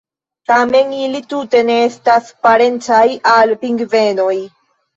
Tamen ili tute ne estas parencaj al pingvenoj.